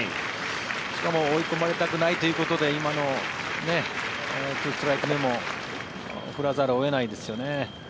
しかも追い込まれたくないということで今の２ストライク目も振らざるを得ないですよね。